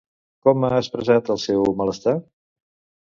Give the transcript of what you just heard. Com ha expressat el seu malestar?